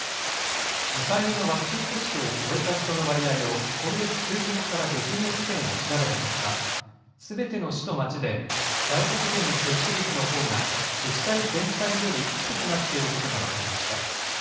２回目のワクチン接種を終えた人の割合を、今月中旬から下旬の時点で調べた結果、すべての市と町で、外国人の接種率のほうが、自治体全体より低くなっていることが分かりました。